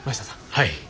はい。